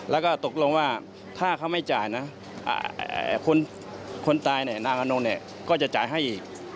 แล้วก็ตกลงว่าถ้าเขาไม่จ่ายนะคนตายนางนงก็จะจ่ายให้อีก